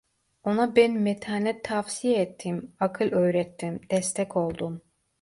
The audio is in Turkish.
Ona ben metanet tavsiye ettim, akıl öğrettim, destek oldum.